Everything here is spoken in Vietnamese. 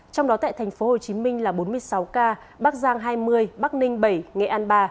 trong đó tại thành phố hồ chí minh là bốn mươi sáu ca bắc giang hai mươi bắc ninh bảy nghệ an ba